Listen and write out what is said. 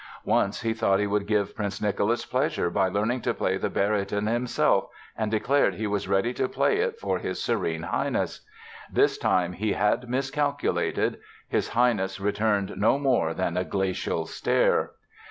Once he thought he would give Prince Nicholas pleasure by learning to play the baryton himself and declared he was ready to play it for his Serene Highness. This time he had miscalculated—his Highness returned no more than a glacial stare!